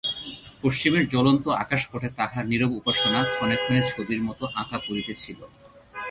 পশ্চিমের জ্বলন্ত আকাশপটে তাহার নীরব উপাসনা ক্ষণে ক্ষণে ছবির মতো আঁকা পড়িতেছিল।